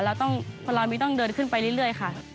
เราต้องเพราะเรามีต้องเดินขึ้นไปเรื่อยค่ะ